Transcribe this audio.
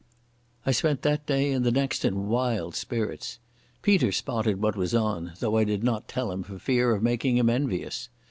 I spent that day and the next in wild spirits. Peter spotted what was on, though I did not tell him for fear of making him envious.